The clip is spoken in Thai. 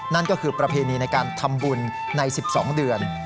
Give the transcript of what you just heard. นั่นก็คือประเพณีในการทำบุญใน๑๒เดือน